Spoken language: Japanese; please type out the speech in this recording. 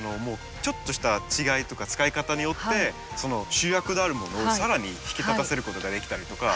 ちょっとした違いとか使い方によってその主役であるものを更に引き立たせることができたりとか